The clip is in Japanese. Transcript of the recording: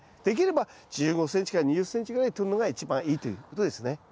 できれば１５ｃｍ２０ｃｍぐらいでとるのが一番いいということですね。